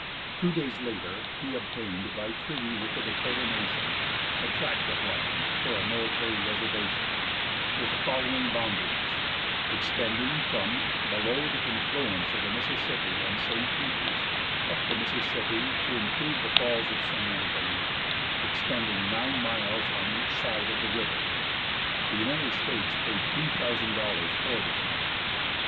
Two days later he obtained, by treaty with the Dakota nation, a tract of land for a military reservation, with the following boundaries, extending from "below the confluence of the Mississippi and St. Peter's, up the Mississippi, to include the Falls of St. Anthony, extending nine miles on each side of the river." The United States paid two thousand dollars for this land.